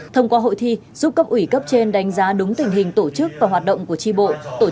thông qua hội thi giúp cấp ủy cấp trên đánh giá đúng tình hình tổ chức và hoạt động của tri bộ